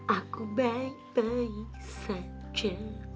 aku baik baik saja